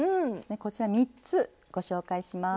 こちら３つご紹介します。